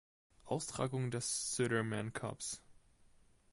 Austragung des Sudirman Cups.